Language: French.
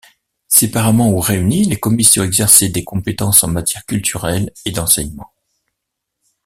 Séparément ou réunies, les commissions exerçaient des compétences en matière culturelle et d'enseignement.